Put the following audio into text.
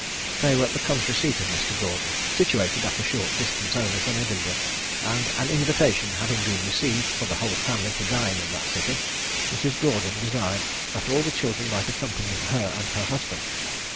They were at the country seat of Mr. Gordon, situated at a short distance only from Edinburgh, and an invitation having been received for the whole family to dine in that city, Mrs. Gordon desired that all the children might accompany her and her husband.